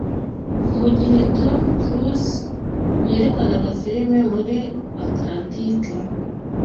Mu gihe Tom Cruise yerekanaga filime muri Atlantique